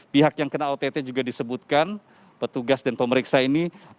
pihak yang kena ott juga disebutkan petugas dan pemeriksa ini